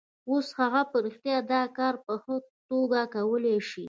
اوس هغه په رښتیا دا کار په ښه توګه کولای شي